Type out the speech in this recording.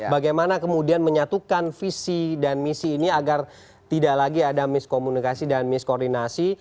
bagaimana kemudian menyatukan visi dan misi ini agar tidak lagi ada miskomunikasi dan miskoordinasi